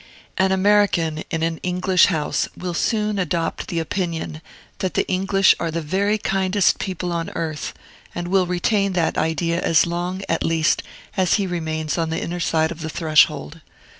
An American in an English house will soon adopt the opinion that the English are the very kindest people on earth, and will retain that idea as long, at least, as he remains on the inner side of the threshold.